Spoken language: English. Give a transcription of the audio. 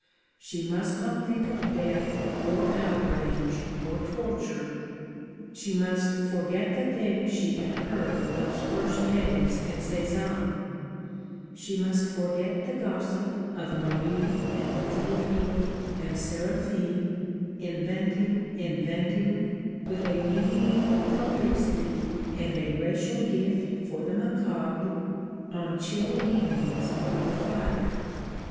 She must not think of death or outrage or torture. She must forget the things she had heard those first days at Sézanne. She must forget the gossip of Marie and Théophile and Séraphine, inventing, inventing, with a mediæval prolixity and a racial gift for the macabre, on chill evenings by the fire.